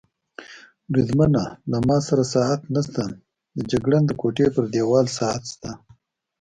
بریدمنه، له ما سره ساعت نشته، د جګړن د کوټې پر دېوال ساعت شته.